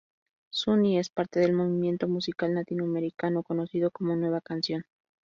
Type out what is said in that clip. Suni es parte del movimiento musical latinoamericano conocido como nueva canción.